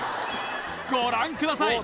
ご覧ください